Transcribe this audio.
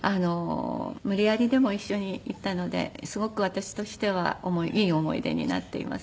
無理やりでも一緒に行ったのですごく私としてはいい思い出になっています。